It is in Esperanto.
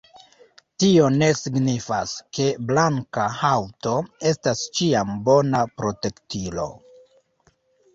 Tio ne signifas, ke blanka haŭto estas ĉiam bona protektilo.